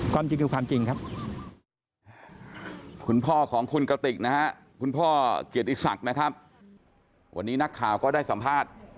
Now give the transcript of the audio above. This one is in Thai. คุณพ่อของคุณกติกคุณพ่อเกียรติศักดิ์วันนี้นักข่าวก็ได้สัมภาษณ์